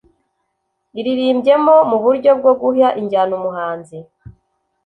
iririmbyemo mu buryo bwo guha injyana umuhanzi